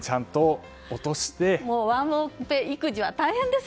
ワンオペ育児は大変です。